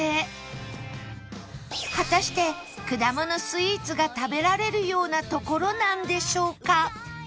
果たしてくだものスイーツが食べられるような所なんでしょうか？